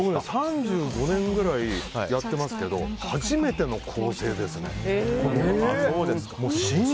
僕３５年ぐらいやっていますけど初めての構成ですね。